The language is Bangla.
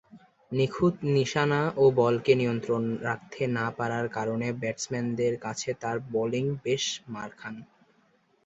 নিখুঁত নিশানা ও বলকে নিয়ন্ত্রণে রাখতে না পারার কারণে ব্যাটসম্যানদের কাছে তার বোলিং বেশ মার খান।